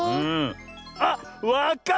あっわかった！